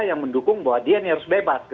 yang mendukung bahwa dia ini harus bebas